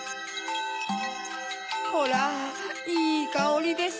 ホラいいかおりです。